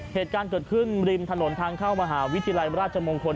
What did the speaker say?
เหตุการณ์เกิดขึ้นริมถนนทางเข้ามหาวิทยาลัยราชมงคล